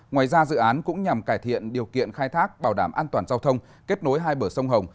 ngoài ra dự án cũng nhằm cải thiện điều kiện khai thác bảo đảm an toàn giao thông kết nối hai bờ sông hồng